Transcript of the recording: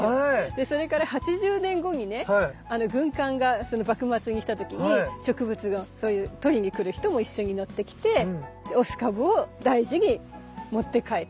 それから８０年後にね軍艦が幕末に来た時に植物を取りにくる人も一緒に乗ってきてオス株を大事に持って帰って。